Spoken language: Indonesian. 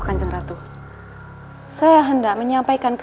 kamu sudah bisa menikmati hidupmu